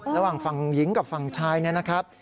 ระหว่างฝั่งหญิงกับฝั่งชายเนี่ยนะครับ